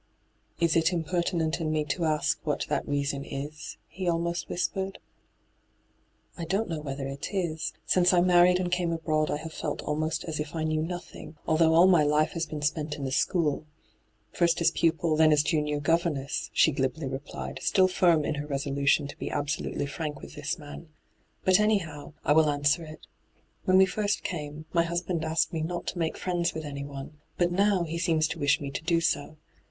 * Is it impertinent in me to ask what that reason is V he almost whispered. ' I don't know whether it is. Since I married and came abroad I have felt almost as if I knew nothing, although all my life has been spent in a school — first as pupil, then as Junior governess,' she glibly replied, still firm in her resolution to be absolutely irank with this man. ' But, anyhow, I will answer it. When we first came, my husband asked me not to make friends with anyone ; but now he seems to wish me to do so.